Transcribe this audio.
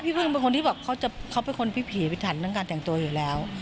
พี่พึ่งเป็นคนที่เขาเป็นคนพิผีพิถันตั้งแต่งตัวอยู่แล้ว